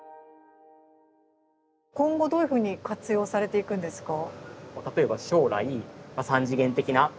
今後どういうふうに活用されていくんですか？